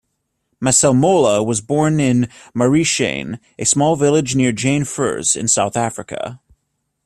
Masemola was born in Marishane, a small village near Jane Furse, in South Africa.